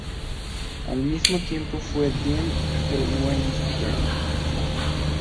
Al mismo tiempo fue deán de Westminster.